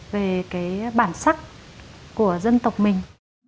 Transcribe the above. về cái bản sắc của dân tộc mình